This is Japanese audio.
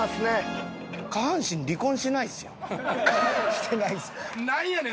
してないですね。